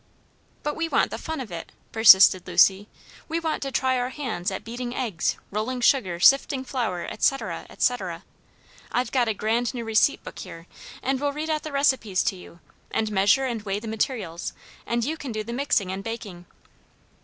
"But we want the fun of it," persisted Lucy; "we want to try our hands at beating eggs, rolling sugar, sifting flour, etc., etc. I've got a grand new receipt book here, and we'll read out the recipes to you, and measure and weigh the materials, and you can do the mixing and baking."